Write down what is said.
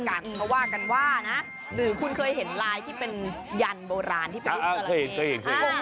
เพราะว่ากันว่านะหรือคุณเคยเห็นลายที่เป็นยันโบราณที่เป็นตลาดเอง